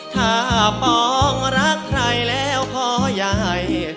ถ้าปองรักใครแล้วพ่อยาย